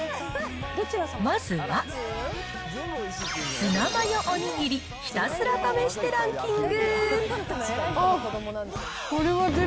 まずは、ツナマヨおにぎりひたすら試してランキング。